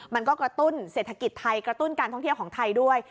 มันก็กระตุ้นเศรษฐกิจไทยกระตุ้นการท่องเที่ยวของไทยด้วย